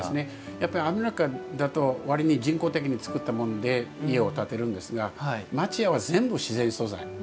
やっぱりアメリカだと割に人工的につくったもんで家を建てるんですが町家は、全部自然素材。